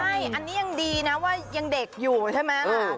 ใช่อันนี้ยังดีนะว่ายังเด็กอยู่ใช่ไหมล่ะ